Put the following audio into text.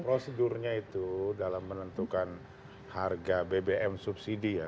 prosedurnya itu dalam menentukan harga bbm subsidi ya